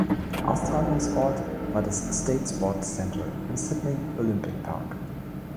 Austragungsort war das "State Sports Centre" im Sydney Olympic Park.